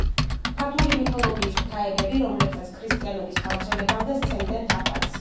ქართული მითოლოგიის ღვთაებები, რომლებსაც ქრისტიანობის გავრცელებამდე სცემდნენ თაყვანს.